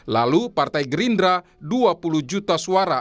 lalu partai gerindra dua puluh juta suara